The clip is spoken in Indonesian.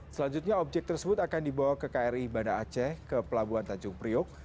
selanjutnya objek tersebut akan dibawa ke kri banda aceh ke pelabuhan tanjung priok